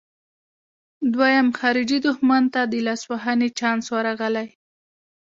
دویم خارجي دښمن ته د لاسوهنې چانس ورغلی.